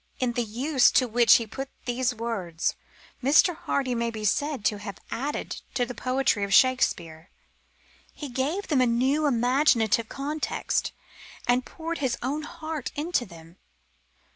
In the use to which he put these words Mr. Hardy may be said to have added to the poetry of Shakespeare. He gave them a new imaginative context, and poured his own heart into them.